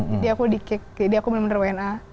jadi aku di kick jadi aku bener bener wna